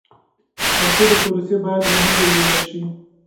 فاسدی پروسې باید له منځه یوړل شي.